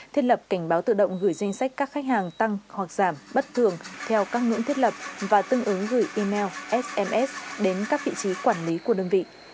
thiết lập cảnh báo tự động gửi danh sách các khách hàng tăng hoặc giảm bất thường theo các ngưỡng thiết lập và tương ứng gửi email sms đến các vị trí quản lý của đơn vị